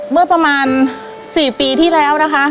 เมื่อประมาณ๔ปีที่แล้วนะคะ